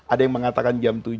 ada yang mengatakan jam tujuh